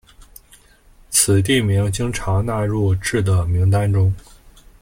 此地名经常纳入至的名单中。